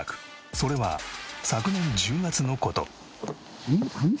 それは昨年１０月の事。